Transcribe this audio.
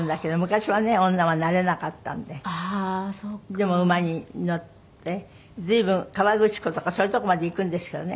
でも馬に乗って随分河口湖とかそういうとこまで行くんですけどね。